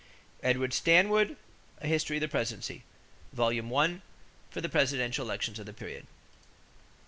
Edward Stanwood, A History of the Presidency, Vol. I, for the presidential elections of the period.